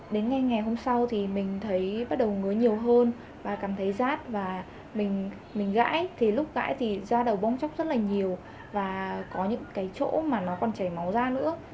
đến ngày ngày hôm sau thì mình thấy bắt đầu ngớ nhiều hơn và cảm thấy rát và mình gãy thì lúc gãy thì da đầu bong chóc rất là nhiều và có những cái chỗ mà nó còn chảy máu ra nữa